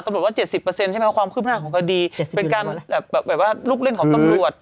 ตำรวจว่า๗๐ใช่ไหมความคลึกหน้าของคดีเป็นการลูกเล่นของตำรวจ